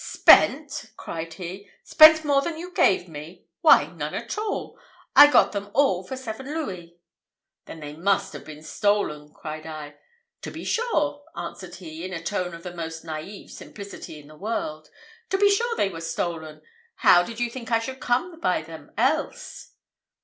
"Spent!" cried he; "spent more than you gave me! Why, none at all. I got them all for seven louis." "Then they must have been stolen," cried I. "To be sure!" answered he, in a tone of the most naïve simplicity in the world; "to be sure they were stolen. How did you think I should come by them else?"